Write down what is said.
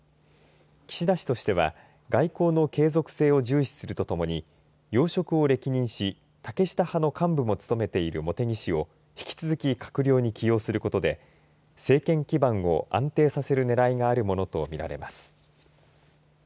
岸田氏としては外交の継続性を重視するとともに要職を歴任し竹下派の幹部も務めている茂木氏を引き続き閣僚に起用することで政権基盤を安定させるねらいがあるものとみられます。